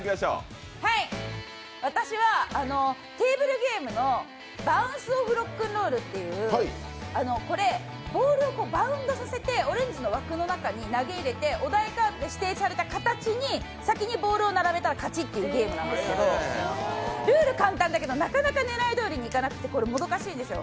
私はテーブルゲームの「バウンス・オフ！ロックン・ロール」っていうこれ、ボールをバウンドさせてオレンジの枠の中に投げ入れて、お題カードで指定された形に先にボールを並べたら勝ちというゲームなんですけどルールは簡単だけど、なかなか狙いどおりにいかなくて難しいですよ。